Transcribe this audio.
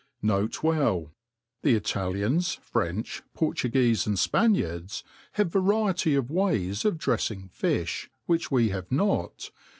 N. B. The Italians^ French, Portugucfe, and Spaniards^ have variety of ways of dreffing fifh, which We^ve not, viz.